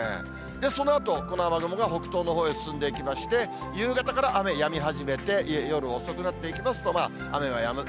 で、そのあと、この雨雲が北東のほうへ進んでいきまして、夕方から雨やみ始めて、夜遅くなっていきますと、雨はやむ。